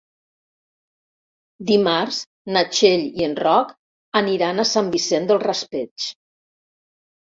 Dimarts na Txell i en Roc aniran a Sant Vicent del Raspeig.